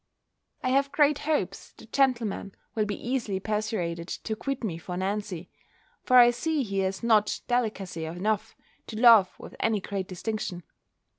I have great hopes the gentleman will be easily persuaded to quit me for Nancy; for I see he has not delicacy enough to love with any great distinction.